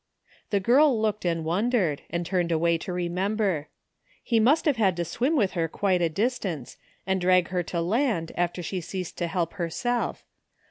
The girl looked and wondered, and turned away to remember. He must have had to swim with her quite a distance, and drag her to land after she ceased to help herself.